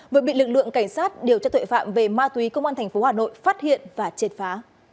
vừa bị lực lượng cảnh sát điều tra tuệ phạm về ma túy công an tp hà nội phát hiện và triệt phá